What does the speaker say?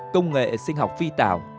công nghệ sinh học phi tảo